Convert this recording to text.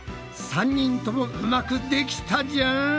３人ともうまくできたじゃん！